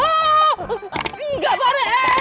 oh enggak bareng